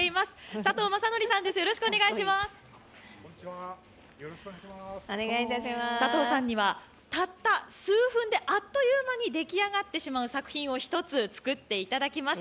佐藤優則さんです、佐藤さんにはたった数分であっという間にでき上がってしまう作品を一つ、つくっていただきます